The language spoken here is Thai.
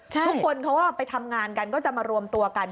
ทุกคนเขาก็ไปทำงานกันก็จะมารวมตัวกัน